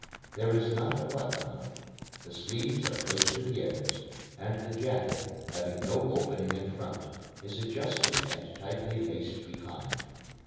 There is not a button on it. The sleeves are closed at the ends, and the jacket, having no opening in front, is adjusted and tightly laced behind.